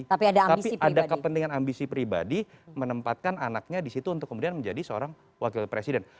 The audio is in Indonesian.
tapi ada kepentingan ambisi pribadi menempatkan anaknya disitu untuk kemudian menjadi seorang wakil presiden